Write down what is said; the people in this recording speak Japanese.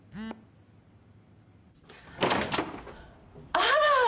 あら。